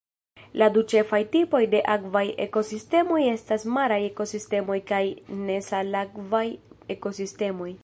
La du ĉefaj tipoj de akvaj ekosistemoj estas maraj ekosistemoj kaj nesalakvaj ekosistemoj.